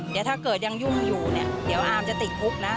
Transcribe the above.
เดี๋ยวถ้าเกิดยังยุ่งอยู่เนี่ยเดี๋ยวอาร์มจะติดคุกนะ